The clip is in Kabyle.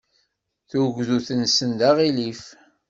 Tugdut-nsen d aɣilif.